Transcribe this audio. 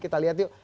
kita lihat yuk